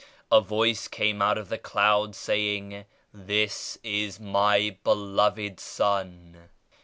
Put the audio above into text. A voice came out of the cloud saying. *This is my Beloved Son.'